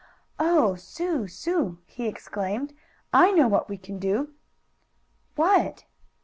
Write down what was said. "Oh, Sue! Sue!" he exclaimed. "I know what we can do!" "What?"